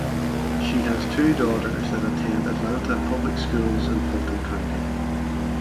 She has two daughters that attend Atlanta Public Schools in Fulton County.